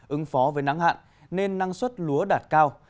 ứng phó với nắng hạn nên năng suất lúa đạt cao